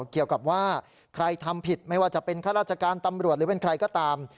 เกี่ยวกับว่าใครทำผิดไม่ว่าจะเป็นข้าราชการตำรวจหรือเป็นใครก็ตาม